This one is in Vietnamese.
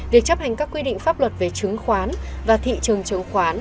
việc chấp hành các quy định pháp luật về chứng khoán và thị trường chứng khoán